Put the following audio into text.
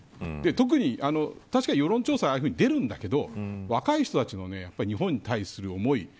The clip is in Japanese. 特に、確かに世論調査はああいうに出るんだけど若い人たちの日本に対する思い。